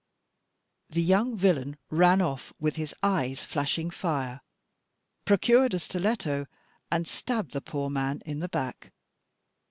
The young villain ran off, with his eyes flashing fire, procured a stiletto, and stabbed the poor man in the back.